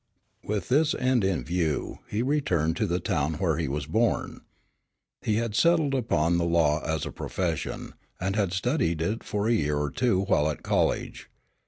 With this end in view he returned to the town where he was born. He had settled upon the law as a profession, and had studied it for a year or two while at college.